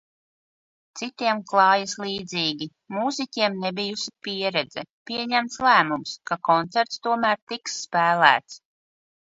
Citiem klājas līdzīgi. Mūziķiem nebijusi pieredze – pieņemts lēmums, ka koncerts tomēr tiks spēlēts.